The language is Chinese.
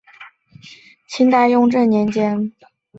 陈氏家庙的历史年代为清代雍正年间。